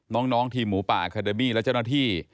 น้องทีมหมูป่าอาคาเดมี่และเจ้าหน้าที่